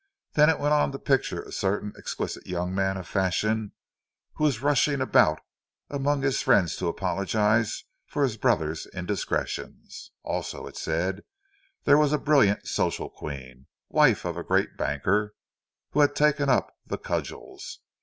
Then it went on to picture a certain exquisite young man of fashion who was rushing about among his friends to apologize for his brother's indiscretions. Also, it said, there was a brilliant social queen, wife of a great banker, who had taken up the cudgels.